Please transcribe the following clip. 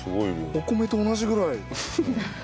お米と同じぐらい。